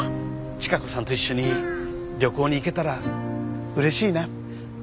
チカ子さんと一緒に旅行に行けたら嬉しいな。